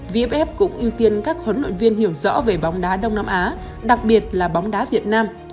vff cũng ưu tiên các huấn luyện viên hiểu rõ về bóng đá đông nam á đặc biệt là bóng đá việt nam